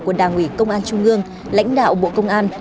của đảng ủy công an trung ương lãnh đạo bộ công an